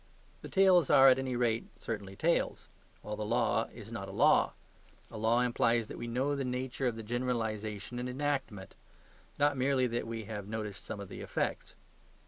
The tales are, at any rate, certainly tales; while the law is not a law. A law implies that we know the nature of the generalisation and enactment; not merely that we have noticed some of the effects.